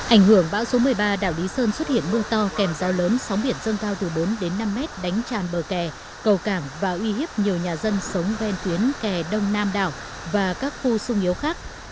ảnh hưởng bão số một mươi ba đảo lý sơn xuất hiện mưa to kèm rau lớn sóng biển dâng cao từ bốn đến năm mét đánh tràn bờ kè cầu cảng và uy hiếp nhiều nhà dân sống ven tuyến kè đông nam đảo và các khu sung yếu khác